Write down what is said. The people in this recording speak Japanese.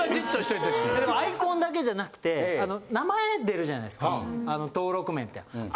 アイコンだけじゃなくて名前出るじゃないですかあの登録名みたいな。